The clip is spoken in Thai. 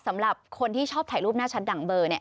สำหรับคนที่ชอบถ่ายรูปหน้าชัดดั่งเบอร์เนี่ย